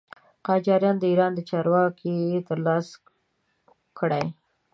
قاجاریان د ایران د چارو واګې تر لاسه کړې.